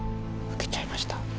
受けちゃいました。